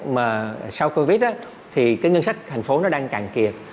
mà sau covid thì cái ngân sách thành phố nó đang cạn kiệt